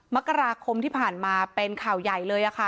มกราคมที่ผ่านมาเป็นข่าวใหญ่เลยค่ะ